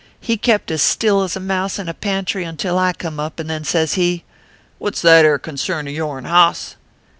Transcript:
He kept as still as a mouse in a pantry until I come up, and then says ho :" What s that ere concern of yourn, hoss